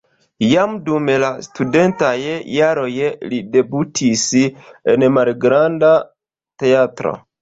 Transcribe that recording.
Jam dum la studentaj jaroj li debutis en malgranda teatro.